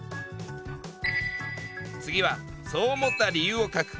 次はそう思った理由を書く。